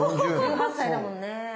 １８歳だもんね。